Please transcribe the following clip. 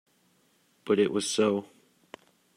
But it was so.